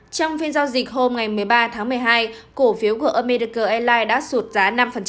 trong phiên giao dịch hôm một mươi ba một mươi hai cổ phiếu của america airlines đã sụt giá năm